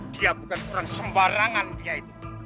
dia bukan orang sembarangan dia itu